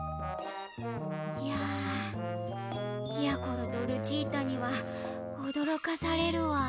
いややころとルチータにはおどろかされるわ。